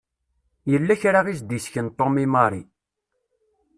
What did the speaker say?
Yella kra i s-d-isken Tom i Mary.